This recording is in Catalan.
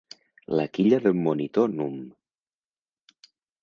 La quilla del Monitor núm.